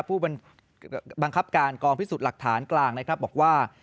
ผู้บังคับการกองพิสูจน์หลักฐานกลางนะครับบอกว่า